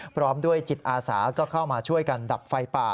พร้อมด้วยจิตอาสาก็เข้ามาช่วยกันดับไฟป่า